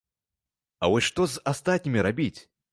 А вось што з астатнім рабіць?